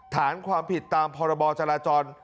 ฐานความผิดตามพรบจราจร